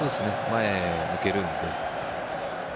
前を向けるので。